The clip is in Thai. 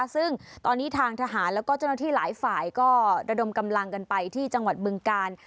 ซึ่งตอนนี้ทางทหารแล้วก็เจ้าหน้าที่หลายฝ่ายก็ระดมกำลังกันไปที่จังหวัดบึงกาล